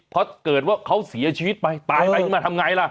เพราะเกิดว่าเขาเสียชีวิตไปตายไปขึ้นมาทำไงล่ะ